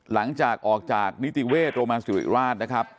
หลังจากออกจากนิติเวชโรมันสิวิราชนะครับ